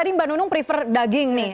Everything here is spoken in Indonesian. tadi mbak nunung prefer daging nih